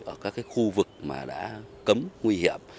ở các khu vực đã cấm nguy hiểm